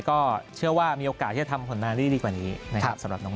ก็เชื่อว่ามีโอกาสที่จะทำผลงานดีกว่านี้นะครับ